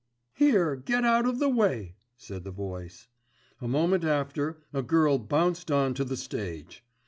"Here, get out of the way," said the voice. A moment after a girl bounced on to the stage.